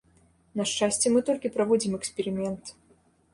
На шчасце, мы толькі праводзім эксперымент.